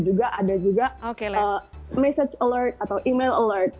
dan ada juga pemberitahuan email